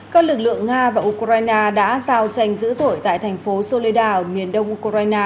các lực lượng nga và ukraine đã giao tranh giữ rỗi tại thành phố soledad ở miền đông ukraine